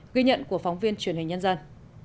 ghi nhận của phóng viên truyền hình nhân dân